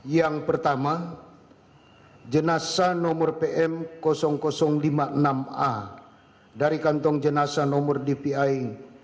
yang pertama jenazah nomor pm lima puluh enam a dari kantong jenasa nomor dvi